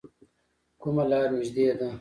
کومه لار نږدې ده؟